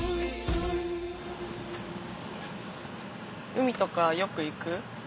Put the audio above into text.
海とかよく行く？